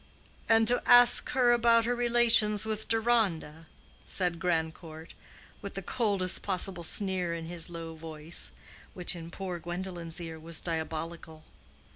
"And to ask her about her relations with Deronda?" said Grandcourt, with the coldest possible sneer in his low voice which in poor Gwendolen's ear was diabolical.